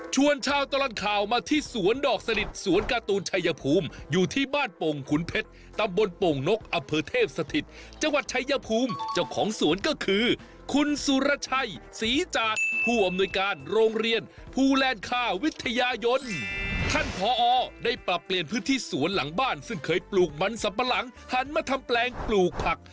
ชาวตลอดข่าวมาที่สวนดอกสนิทสวนการ์ตูนชัยภูมิอยู่ที่บ้านโป่งขุนเพชรตำบลโป่งนกอำเภอเทพสถิตจังหวัดชายภูมิเจ้าของสวนก็คือคุณสุรชัยศรีจากผู้อำนวยการโรงเรียนภูแลนด์ค่าวิทยายนท่านพอได้ปรับเปลี่ยนพื้นที่สวนหลังบ้านซึ่งเคยปลูกมันสัมปะหลังหันมาทำแปลงปลูกผัก